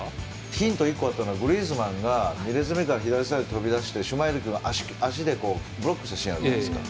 ヒント１個あったのはグリーズマンが２列目から左サイドに飛び出してシュマイケルが足でブロックしたシーンがあるじゃないですか。